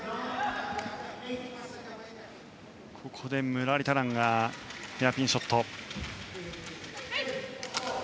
ムラリタランがヘアピンショット。